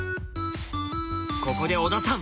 ここで小田さん